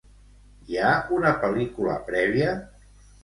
Hi ha una pel·lícula prèvia?